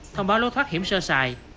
thông báo lối thoát hiểm sơ xài